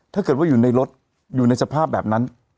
ถ้าเกิดว่าอยู่ในรถอยู่ในสภาพแบบนั้น